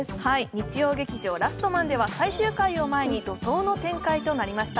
日曜劇場「ラストマン」では最終回を前に怒とうの展開となりました。